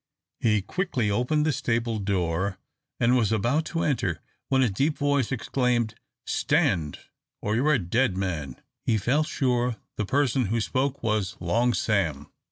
He quickly opened the stable door, and was about to enter, when a deep voice exclaimed, "Stand, or you're a dead man!" He felt sure the person who spoke was Long Sam.